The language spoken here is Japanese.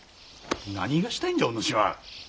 何がしたいんじゃお主は。